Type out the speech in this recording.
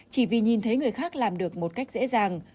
chỉ vì nhìn thấy người khác làm được một cách dễ dàng